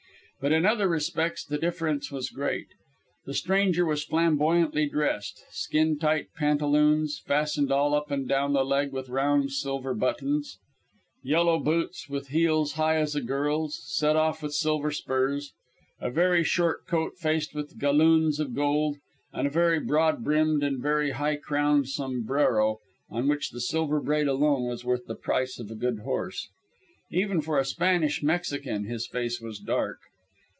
But in other respects the difference was great. The stranger was flamboyantly dressed: skin tight pantaloons, fastened all up and down the leg with round silver buttons; yellow boots with heels high as a girl's, set off with silver spurs; a very short coat faced with galloons of gold, and a very broad brimmed and very high crowned sombrero, on which the silver braid alone was worth the price of a good horse. Even for a Spanish Mexican his face was dark.